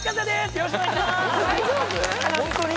よろしくお願いします！